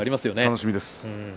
楽しみです。